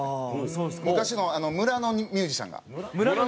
昔の村のミュージシャンが。